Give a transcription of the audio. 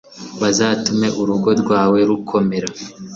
bazatume urugo rwawe rukomera